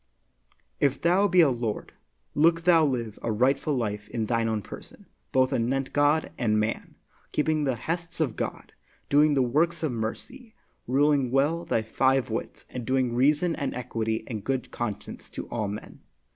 If thou be a lord, look thou live a rightful life in thine own person, both anent God and man, keeping the hests of God, doing the works of mercy, ruling well thy five wits, and doing reason and equity and good conscience to all men.